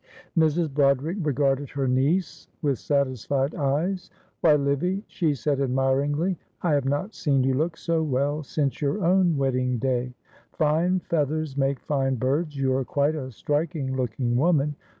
Mrs. Broderick regarded her niece with satisfied eyes. "Why, Livy," she said, admiringly, "I have not seen you look so well since your own wedding day. Fine feathers make fine birds. You are quite a striking looking woman.